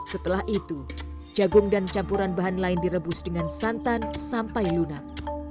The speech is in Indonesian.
setelah itu jagung dan campuran bahan lain direbus dengan santan sampai lunak